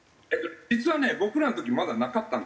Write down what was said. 実はね僕らの時まだなかったんですよ。